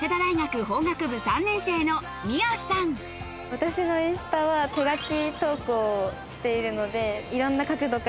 私のインスタは手書き投稿をしているので。